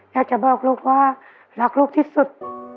อยากจะบอกลูกว่ารักลูกที่สุด